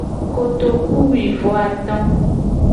Kotoku wi vo ato.